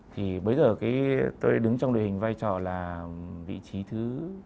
thì bây giờ cái tôi đứng trong đội hình vai trò là vị trí thứ